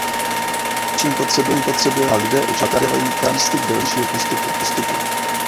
Především potřebujeme a lidé očekávají příslib dalšího postupu.